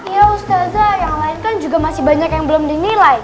iya ustadzah yang lain kan juga masih banyak yang belum dinilai